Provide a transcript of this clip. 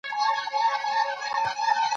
تودوخه د افغانستان د ټولنې لپاره بنسټيز رول لري.